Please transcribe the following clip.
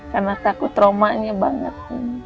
karena takut traumanya banget